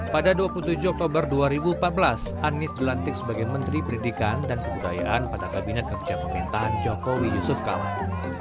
pada dua puluh tujuh oktober dua ribu empat belas anies dilantik sebagai menteri pendidikan dan kebudayaan pada kabinet kerja pemerintahan jokowi yusuf kala